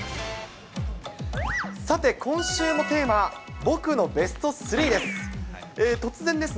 さて、今週のテーマは、僕のベスト３です。